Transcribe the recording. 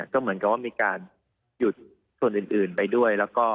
ก็เหมือนกับว่ามีการหยุดส่วนอื่นไปด้วยแล้วก็